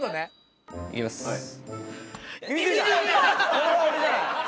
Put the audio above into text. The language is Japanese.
これは俺じゃない？